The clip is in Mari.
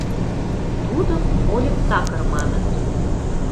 Тудым «вольык такыр» маныт.